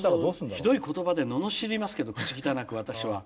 ひどい言葉で罵りますけど口汚く私は。